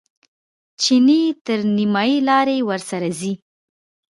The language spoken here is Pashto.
چیني تر نیمایي لارې ورسره ځي.